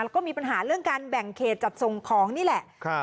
แล้วก็มีปัญหาเรื่องการแบ่งเขตจัดส่งของนี่แหละ